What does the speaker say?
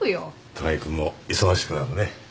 高木君も忙しくなるね。